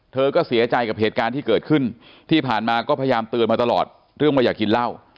เธอก็เสียใจกับเหตุการณ์ที่เกิดขึ้นที่ผ่านมาก็พยายามเตือนมาตลอดเรื่องว่าอย่ากินเหล้า